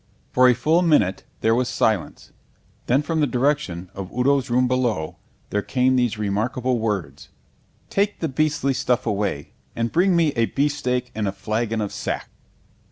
For a full minute there was silence. Then from the direction of Udo's room below there came these remarkable words: "_Take the beastly stuff away, and bring me a beefsteak and a flagon of sack!